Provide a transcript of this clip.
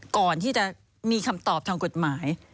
ก่อนที่จะมีคำตอบทางกฎหมาย